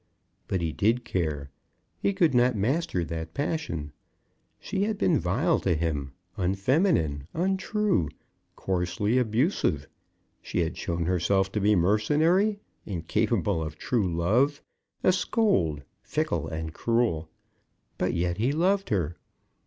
But he did care; he could not master that passion. She had been vile to him, unfeminine, untrue, coarsely abusive; she had shown herself to be mercenary, incapable of true love, a scold, fickle, and cruel. But yet he loved her.